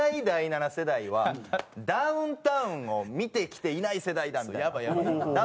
第七世代はダウンタウンを見てきていない世代だ」みたいな。